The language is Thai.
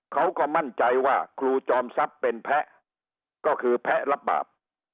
เขาก็มั่นใจว่าครูจอมทรัพย์เป็นแพ้ก็คือแพ้รับบาป